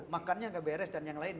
makannya agak beres dan yang lain